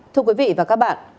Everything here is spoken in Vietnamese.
thưa quý vị và các bạn